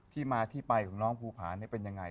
ที่มาที่ไปของน้องภูผานี่เป็นยังไง